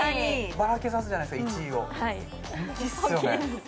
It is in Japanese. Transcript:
バラけさすじゃないですか１位を本気です